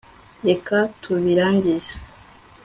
reka tubirangize